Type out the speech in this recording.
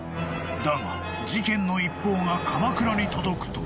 ［だが事件の一報が鎌倉に届くと］